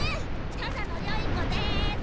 ただのよい子です！